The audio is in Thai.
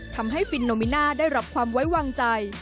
ทำให้ฟินโนมินาได้รับความไว้วางใจ